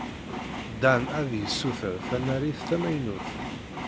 Dan ad yessuter tanarit tamaynut.